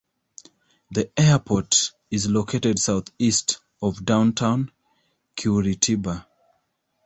The airport is located southeast of downtown Curitiba.